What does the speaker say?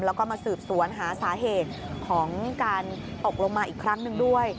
แล้วก็มาสืบสวนหาสาเหตุของการตกลงมาอีกครั้งหนึ่งด้วย